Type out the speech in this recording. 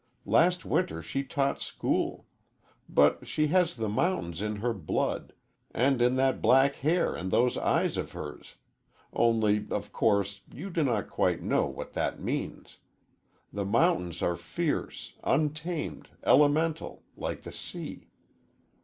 Last winter she taught school. But she has the mountains in her blood, and in that black hair and those eyes of hers. Only, of course, you do not quite know what that means. The mountains are fierce, untamed, elemental like the sea.